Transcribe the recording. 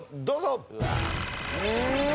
どうぞ！